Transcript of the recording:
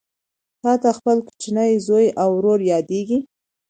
تاته خپل کوچنی زوی او ورور یادیږي